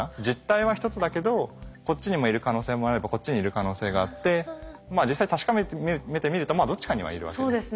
実体は１つだけどこっちにもいる可能性もあればこっちにいる可能性があって実際確かめてみてみるとどっちかにはいるわけで。